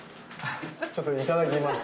ちょっといただきます。